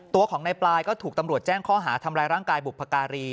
ตัวของในปลายก็ถูกตำรวจแจ้งข้อหาทำร้ายร่างกายบุพการี